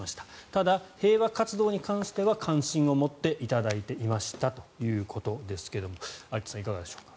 ただ、平和活動については関心を持っていただいていましたということですが有田さんいかがでしょう。